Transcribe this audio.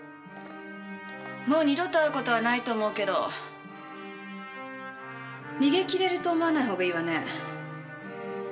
もう二度と会う事はないと思うけど逃げきれると思わない方がいいわね。